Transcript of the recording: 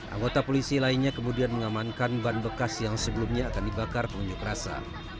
anggota polisi lainnya kemudian mengamankan ban bekas yang sebelumnya akan dibakar pengunjuk rasa